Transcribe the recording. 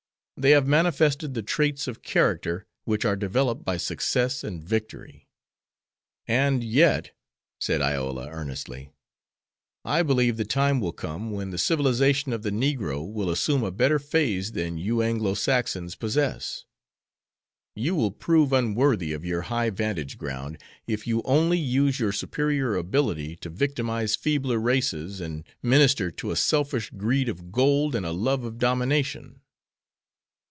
They have manifested the traits of character which are developed by success and victory." "And yet," said Iola, earnestly, "I believe the time will come when the civilization of the negro will assume a better phase than you Anglo Saxons possess. You will prove unworthy of your high vantage ground if you only use your superior ability to victimize feebler races and minister to a selfish greed of gold and a love of domination."